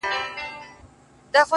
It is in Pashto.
• زه هم خطا وتمه؛